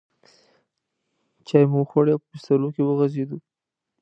چای مو وخوړې او په بسترو کې وغځېدو.